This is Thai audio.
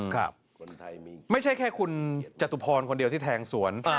ครับไม่ใช่แค่คุณจตุพรคนเดียวที่แทงสวน